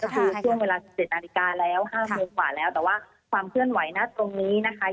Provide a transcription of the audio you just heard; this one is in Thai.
ก็คือช่วงเวลา๑๗นาฬิกาแล้ว๕โมงกว่าแล้วแต่ว่าความเคลื่อนไหวณตรงนี้นะคะ